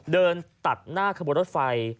เดินตัดหน้าขบวนรถไฟ